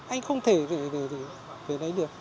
anh không thể về đấy được